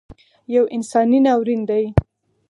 یو انساني ناورین دی